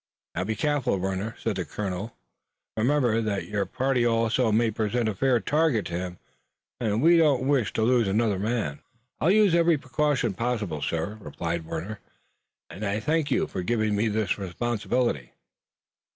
"Now be careful, Warner," said Colonel Winchester. "Remember that your party also may present a fair target to him, and we don't wish to lose another man." "I'll use every precaution possible, sir," replied Warner, "and I thank you for giving me this responsibility."